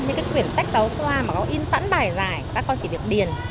những cái quyển sách giáo thoa mà có in sẵn bài giải các con chỉ việc điền